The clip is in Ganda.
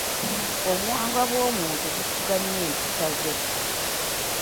Obuwanga bw’omuntu bufuga nnyo empisa ze.